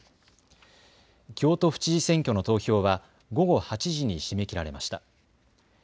京都府知事選挙の投票は午後８時に締め切られました。